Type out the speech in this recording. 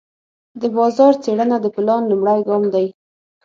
د بازار څېړنه د پلان لومړی ګام دی.